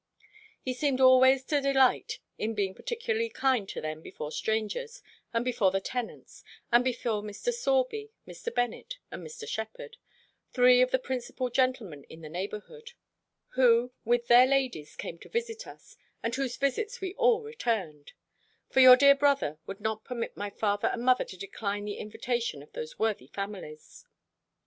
He seemed always to delight in being particularly kind to them before strangers, and before the tenants, and before Mr. Sorby, Mr. Bennet, and Mr. Shepherd, three of the principal gentlemen in the neighbourhood, who, with their ladies, came to visit us, and whose visits we all returned; for your dear brother would not permit my father and mother to decline the invitation of those worthy families.